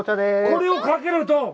これをかけると。